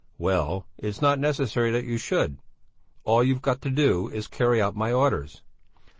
"Well, it's not necessary that you should; all you've got to do is to carry out my orders.